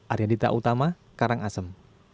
arya dita utama karangasem